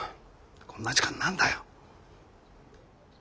こんな時間に何だよ。